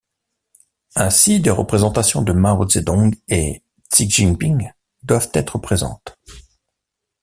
Ainsi des représentations de Mao Zedong et Xi Jinping doivent être présentes.